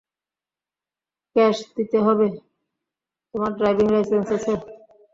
Cash দিতে হবে - তোমার ড্রাইভিং লাইসেন্স আছে?